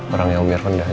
orangnya umir pendah